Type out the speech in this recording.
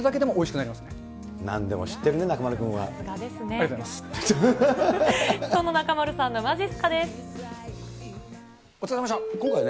なんでも知ってるね、中丸君本当ですね。